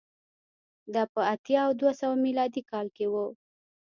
دا په اتیا او دوه سوه میلادي کال کې و